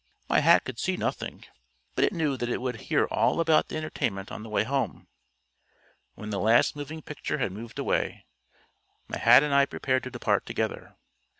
My hat could see nothing, but it knew that it would hear all about the entertainment on the way home. When the last moving picture had moved away, my hat and I prepared to depart together.